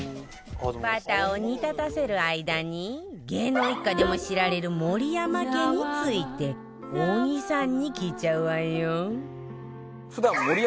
バターを煮立たせる間に芸能一家でも知られる森山家について小木さんに聞いちゃうわよ